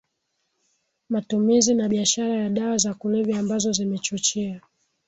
matumizi na biashara ya dawa za kulevya ambazo zimechochea